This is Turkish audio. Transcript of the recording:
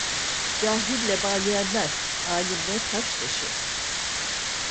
Cahille bal yenmez! Alimle taş taşı!